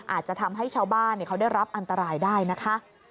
อาจจะทำให้ชาวบ้านเขาได้รับอันตรายได้นะคะ